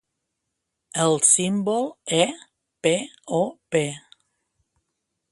El símbol é "p" o "P".